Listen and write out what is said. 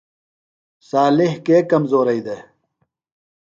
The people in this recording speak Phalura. صالح کے کمزورئی دےۡ؟